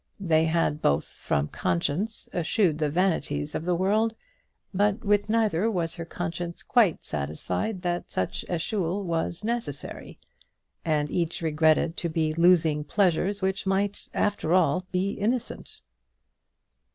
They had both, from conscience, eschewed the vanities of the world; but with neither was her conscience quite satisfied that such eschewal was necessary, and each regretted to be losing pleasures which might after all be innocent.